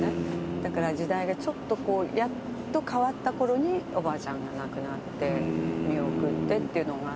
だから時代がちょっとこうやっと変わったころにおばあちゃんが亡くなって見送ってっていうのがあって。